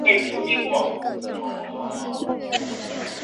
结果就一共买了三本